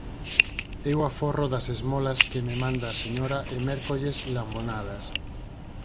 Eu aforro das esmolas que me manda a señora e mércolles lambonadas